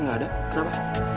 gak ada kenapa